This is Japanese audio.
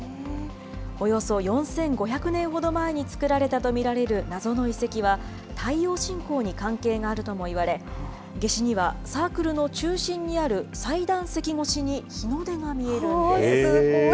およそ４５００年ほど前に作られたとみられる謎の遺跡は、太陽信仰に関係があるともいわれ、夏至にはサークルの中心にある祭壇石越しに日の出が見えるんです。